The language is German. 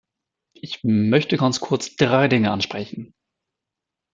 Ich möchte ganz kurz drei Dinge ansprechen.